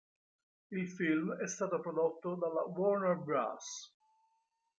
Il film è stato prodotto dalla Warner Bros.